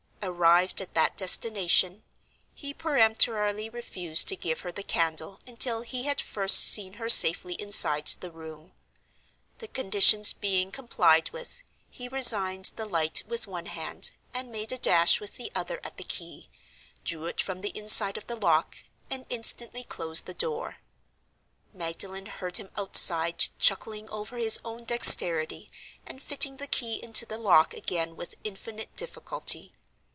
Arrived at that destination, he peremptorily refused to give her the candle until he had first seen her safely inside the room. The conditions being complied with, he resigned the light with one hand, and made a dash with the other at the key, drew it from the inside of the lock, and instantly closed the door. Magdalen heard him outside chuckling over his own dexterity, and fitting the key into the lock again with infinite difficulty.